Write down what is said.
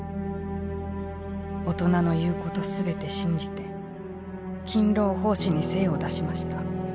大人の言うこと全て信じて勤労奉仕に精を出しました。